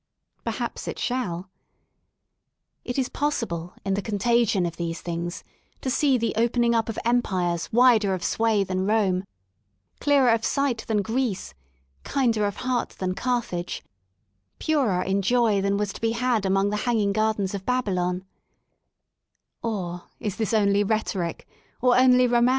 Perhaps it shalL It is possible in the contagion of these things to see the opening up of Empires wider of sway than Rome, clearer of sight than Greece, kinder of heart than Carthage, purer in joy than was to be had among the hanging gardens of Babylon, Or is this only rhetoric, or only romance?